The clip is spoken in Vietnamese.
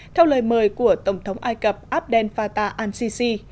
theo lời mời của tổng thống ai cập abdel fatah al sisi